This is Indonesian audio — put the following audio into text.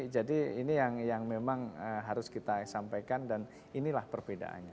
jadi ini yang memang harus kita sampaikan dan inilah perbedaannya